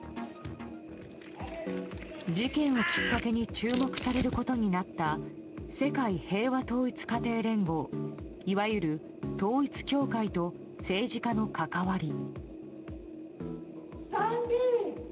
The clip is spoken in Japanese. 事件をきっかけに注目されることになった世界平和統一家庭連合いわゆる統一教会と政治家の関わり。